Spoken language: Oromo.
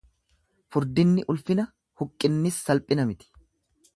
Furdinni ulfina huqqinnis salphina miti.